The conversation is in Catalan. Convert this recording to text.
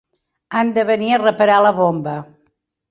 Han de venir a reparar la bomba.